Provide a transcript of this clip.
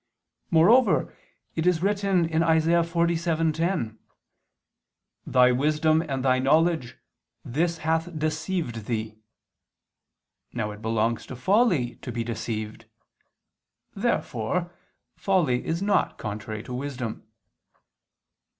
Moreover, it is written (Isa. 47:10): "Thy wisdom and thy knowledge, this hath deceived thee." Now it belongs to folly to be deceived. Therefore folly is not contrary to wisdom.